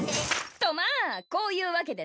とまあこういうわけでな。